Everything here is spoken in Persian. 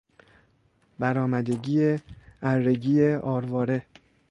برآمدگی ارگی آرواره